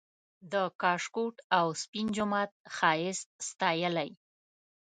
د کاشکوټ او سپین جومات ښایست ستایلی